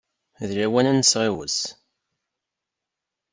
D lawan ad nesɣiwes.